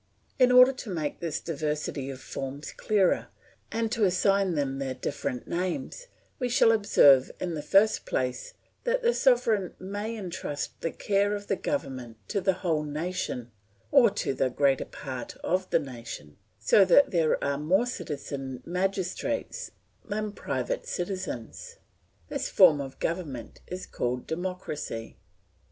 In order to make this diversity of forms clearer, and to assign them their different names, we shall observe in the first place that the sovereign may entrust the care of the government to the whole nation or to the greater part of the nation, so that there are more citizen magistrates than private citizens. This form of government is called Democracy.